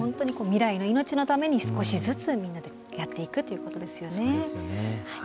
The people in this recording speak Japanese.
未来の命のために少しずつみんなでやっていくということですよね。